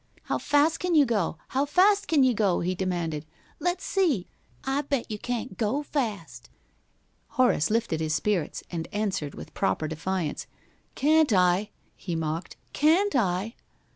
"How fast can you go? How fast can you go?" he demanded. "Let's see. I bet you can't go fast." Horace lifted his spirits and answered with proper defiance. "Can't I?" he mocked. "Can't I?"